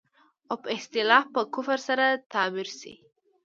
او په اصطلاح په کفر سره تعبير شي.